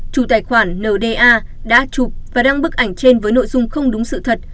chủ tài khoản nda đã chụp và đăng bức ảnh trên với nội dung không đúng sự thật